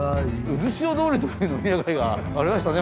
うずしお通りという飲み屋街がありましたね。